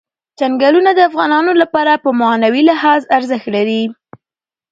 چنګلونه د افغانانو لپاره په معنوي لحاظ ارزښت لري.